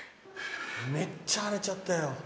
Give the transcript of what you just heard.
めっちゃ腫れちゃったよ。